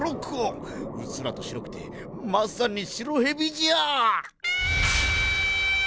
うっすらと白くてまさに白蛇じゃ！